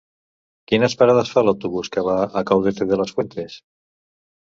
Quines parades fa l'autobús que va a Caudete de las Fuentes?